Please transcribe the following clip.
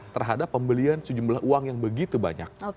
terhadap pembelian sejumlah uang yang begitu banyak